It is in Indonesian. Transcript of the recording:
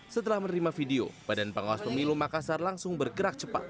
setelah menerima video badan pengawas pemilu makassar langsung bergerak cepat